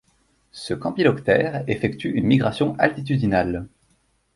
Ce Campyloptère effectue une migration altitudinale.